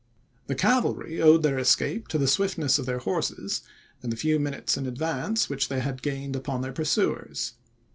The cavalry owed their escape to the swiftness of their horses, and the few minutes in advance, which they had gained upon their pursuers.